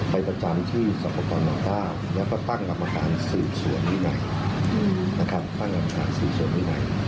ไปประจำที่สมบัติภาพแล้วก็ตั้งกรรมการสื่อส่วนวินัย